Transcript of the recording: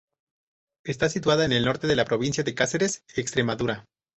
Está situada en el norte de la provincia de Cáceres, Extremadura.